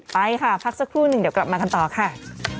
ไปค่ะพักสักครู่หนึ่งเดี๋ยวกลับมากันต่อค่ะ